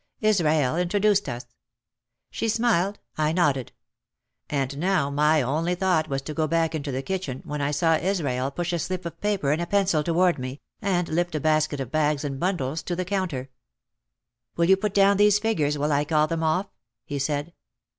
Israel introduced us. She smiled, I nodded. And now my only thought was to go back into the kitchen, when I saw Israel push a slip of paper and a pencil toward me and lift a basket of bags and bundles to the counter. "Will you put down these figures while I call them off?" he said.